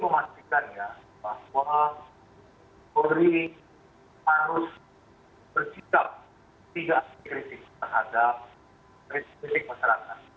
polri memastikan ya bahwa polri harus bersikap tidak antikritik terhadap kritik masyarakat